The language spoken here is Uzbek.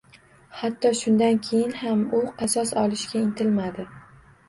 Hatto shundan keyin ham u qasos olishga intilmadi